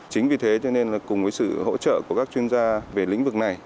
chính vì thế cho nên là cùng với sự hỗ trợ của các chuyên gia về lĩnh vực này